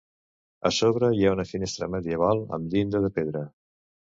A sobre hi ha una finestra medieval amb llinda de pedra.